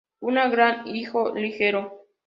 Una gran higo ligero.